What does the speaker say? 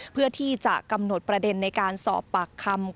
เพื่อที่จะกำหนดประเด็นในการสอบปากคำ